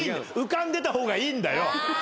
浮かんでた方がいいんだよ。